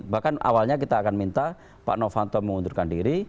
bahkan awalnya kita akan minta pak novanto mengundurkan diri